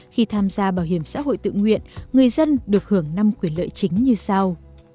khi tham gia bảo hiểm xã hội tự nguyện người dân được hưởng năm quyền lợi chính như sau